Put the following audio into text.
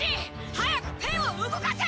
早くペンを動かせ！